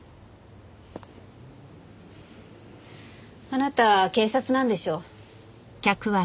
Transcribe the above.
あなた警察なんでしょう？